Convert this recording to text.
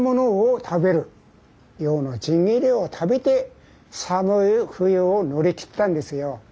鮭の新切りを食べて寒い冬を乗り切ったんですよ。